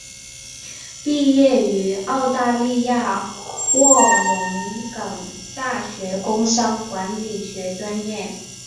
毕业于澳大利亚卧龙岗大学工商管理学专业。